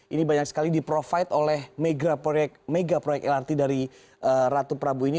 ini banyak sekali di provide oleh mega proyek lrt dari ratu prabu ini